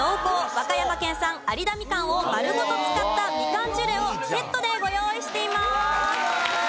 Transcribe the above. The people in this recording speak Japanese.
和歌山県産有田みかんを丸ごと使ったみかんジュレをセットでご用意しています！